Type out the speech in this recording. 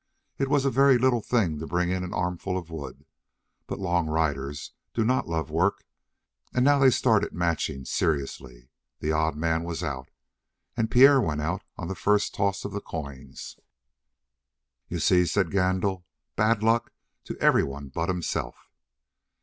It was a very little thing to bring in an armful of that wood, but long riders do not love work, and now they started the matching seriously. The odd man was out, and Pierre went out on the first toss of the coins. "You see," said Gandil. "Bad luck to everyone but himself."